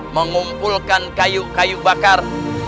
mengumpulkan kayu kayu bakar